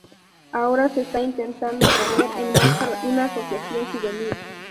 Ahora se está intentando poner en marcha una asociación juvenil.